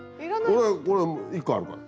俺これ１個あるから。